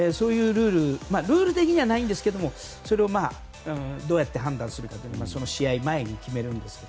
ルール的にはないんですけどそれをどうやって判断するかを試合前に決めるんですが。